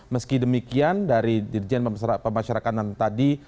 meski demikian dari dirjen pemasyarakatan tadi